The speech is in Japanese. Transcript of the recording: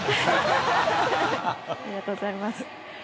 ありがとうございます。